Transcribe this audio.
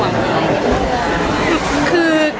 ความเป็นห่วง